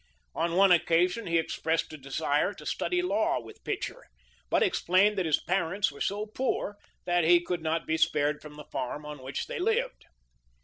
On one occasion he expressed a desire to study law with Pitcher, but explained that his parents were so poor that he could not be spared from the farm on which they lived.